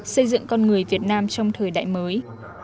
xây dựng con người việt nam trong thời đại mới